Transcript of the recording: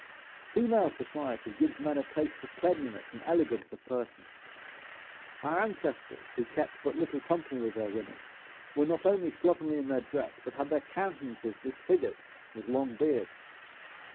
Female society gives men a taste for cleanliness and elegance of person. Our ancestors, who kept but little company with their women, were not only slovenly in their dress, but had their countenances disfigured with long beards.